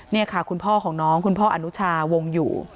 นี่ค่ะคุณพ่อของน้องคุณพ่ออนุชาวงอยู่